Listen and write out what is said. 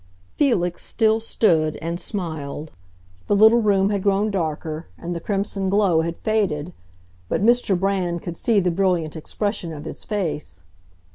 Felix still stood and smiled. The little room had grown darker, and the crimson glow had faded; but Mr. Brand could see the brilliant expression of his face.